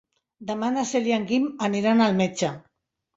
Demà na Cel i en Guim aniran al metge.